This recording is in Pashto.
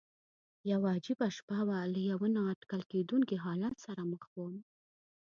یوه عجیبه شپه وه، له یوه نا اټکل کېدونکي حالت سره مخ ووم.